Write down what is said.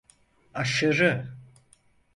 Aşırı!